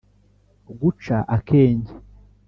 guca akenge